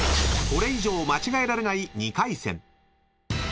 ［これ以上間違えられない］